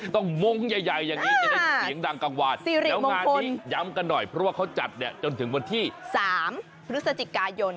มงค์ใหญ่อย่างนี้จะได้เสียงดังกลางวันแล้วงานนี้ย้ำกันหน่อยเพราะว่าเขาจัดเนี่ยจนถึงวันที่๓พฤศจิกายน